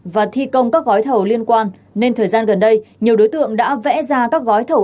và thi công các gói thầu liên quan nên thời gian gần đây nhiều đối tượng đã vẽ ra các gói thầu